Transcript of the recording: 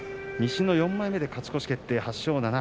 西の４枚目で勝ち越し決定。